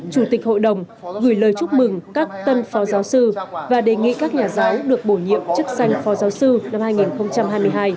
chủ tịch hội đồng gửi lời chúc mừng các tân phó giáo sư và đề nghị các nhà giáo được bổ nhiệm chức danh phó giáo sư năm hai nghìn hai mươi hai